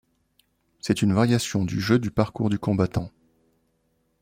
C'est une variation du jeu du parcours du combattant.